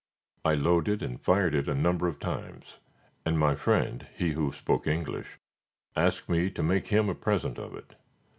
I loaded and fired it a number of times, and my friend he who spoke English asked me to make him a present of it.